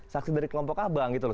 saksi dari kelompok abang gitu loh